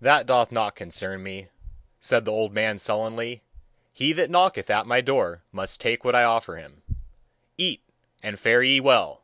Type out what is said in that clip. "That doth not concern me," said the old man sullenly; "he that knocketh at my door must take what I offer him. Eat, and fare ye well!"